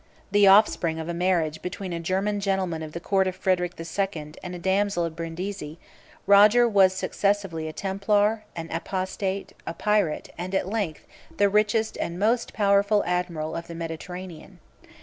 The offspring of a marriage between a German gentleman of the court of Frederic the Second and a damsel of Brindisi, Roger was successively a templar, an apostate, a pirate, and at length the richest and most powerful admiral of the Mediterranean.